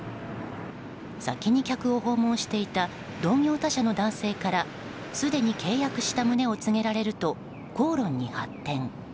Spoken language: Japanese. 先に客を訪問していた同業他社の男性からすでに契約していた旨を告げられると口論に発展。